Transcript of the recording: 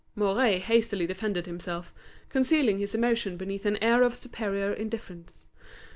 Mouret hastily defended himself, concealing his emotion beneath an air of superior indifference.